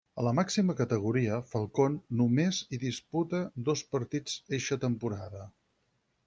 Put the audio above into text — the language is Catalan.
A la màxima categoria, Falcón només hi disputa dos partits eixa temporada.